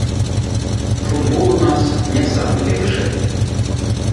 Футбол у нас не самы лепшы.